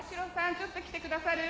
ちょっと来てくださる？